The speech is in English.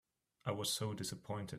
I was so dissapointed.